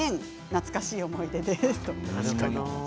懐かしい思い出です。